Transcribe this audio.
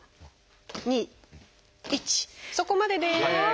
そこまでです。